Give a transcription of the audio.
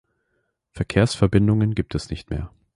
Verkehrsverbindungen gibt es nicht mehr.